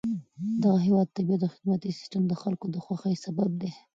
دغه هېواد طبیعت او خدماتي سیستم د خلکو د خوښۍ سبب دی.